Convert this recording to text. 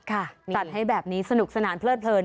จัดให้แบบนี้สนุกสนานเพลิดเพลิน